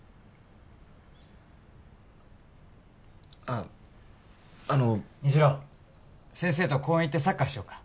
あっあの虹朗先生と公園行ってサッカーしようか？